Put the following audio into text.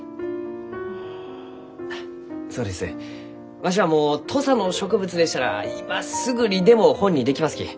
わしはもう土佐の植物でしたら今すぐにでも本にできますき。